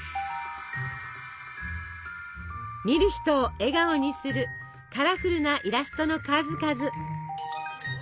見る人を笑顔にするカラフルなイラストの数々。